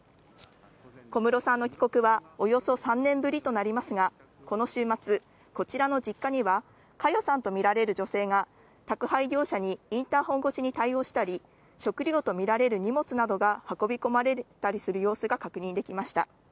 小室さんの帰国はおよそ３年ぶりとなりますが、この週末、こちらの実家には佳代さんとみられる女性が宅配業者にインターホン越しに対応したり、食料とみられる荷物などが運び込まれたりする様子が確認できました。